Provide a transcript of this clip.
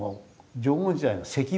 縄文時代の石棒。